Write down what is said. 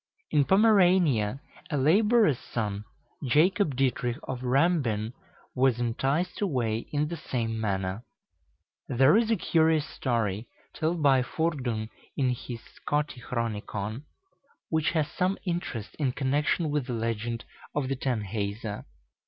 In Pomerania, a laborer's son, Jacob Dietrich of Rambin, was enticed away in the same manner. There is a curious story told by Fordun in his "Scotichronicon," which has some interest in connection with the legend of the Tanhäuser.